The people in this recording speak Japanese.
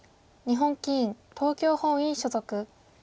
日本棋院東京本院所属。